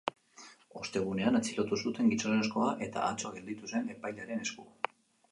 Ostegunean atxilotu zuten gizonezkoa eta atzo gelditu zen epailearen esku.